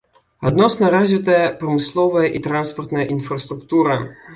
Адносна развітая прамысловая і транспартная інфраструктура.